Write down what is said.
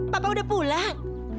papa udah pulang